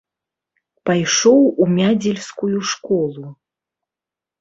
Пайшоў у мядзельскую школу.